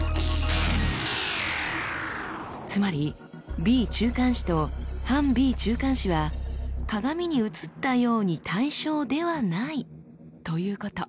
つまりＢ中間子と反Ｂ中間子は鏡に映ったように対称ではないということ。